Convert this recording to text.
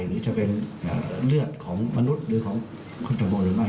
หรือจะเป็นเลือดของมนุษย์หรือของคุณตังโมหรือไม่